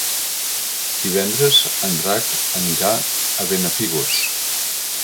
Divendres en Drac anirà a Benafigos.